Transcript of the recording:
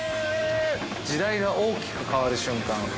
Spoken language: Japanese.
時代が大きく変わる瞬間。